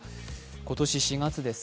今年４月です。